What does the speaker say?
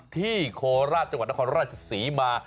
โคราชจังหวัดนครราชศรีมา